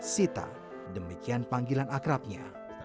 sita demikian panggilan akrabnya